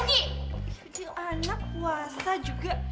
eh gini anak puasa juga